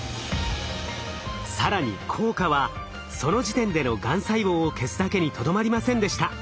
更に効果はその時点でのがん細胞を消すだけにとどまりませんでした。